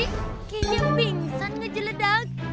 kayaknya pingsan ngejeledak